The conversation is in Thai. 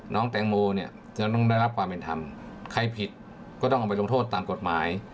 น้องแตงโมเนี่ยจะต้องได้รับความเป็นธรรมใครผิดก็ต้องเอาไปลงโทษตามกฎหมาย